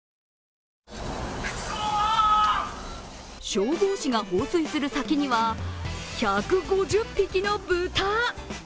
消防士が放水する先には１５０匹の豚。